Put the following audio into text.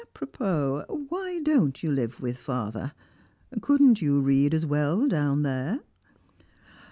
"Apropos, why don't you live with father? Couldn't you read as well down there?"